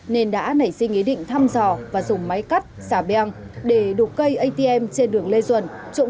nên đã nảy sinh ý định thăm dò và dùng máy cắt xả beang để đục cây atm trên đường lê duẩn